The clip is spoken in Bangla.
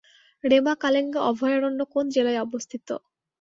রেমা-কালেঙ্গা অভয়ারণ্য কোন জেলায় অবস্থিত?